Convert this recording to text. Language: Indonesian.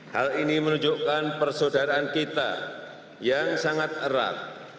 hal ini menunjukkan persaudaraan kita yang sangat erat